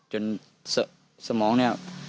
สมองเนี่ย